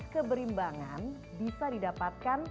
keberimbangan bisa didapatkan